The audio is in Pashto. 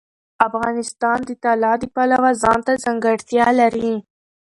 افغانستان د طلا د پلوه ځانته ځانګړتیا لري.